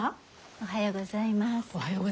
おはようございます。